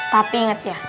tapi inget ya